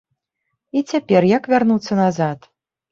І цяпер як вярнуцца назад?